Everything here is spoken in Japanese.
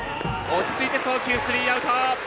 落ち着いて送球、スリーアウト。